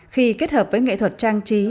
khi kết hợp với nghệ thuật trang trí